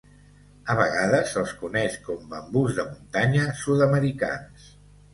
A vegades se'ls coneix com bambús de muntanya sud-americans.